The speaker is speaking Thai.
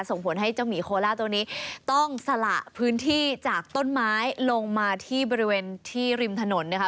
ส่งผลให้เจ้าหมีโคล่าตัวนี้ต้องสละพื้นที่จากต้นไม้ลงมาที่บริเวณที่ริมถนนนะคะ